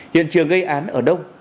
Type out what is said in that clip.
hiện trường gây án ở đâu